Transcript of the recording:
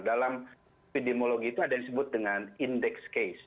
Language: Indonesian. dalam epidemiologi itu ada yang disebut dengan index case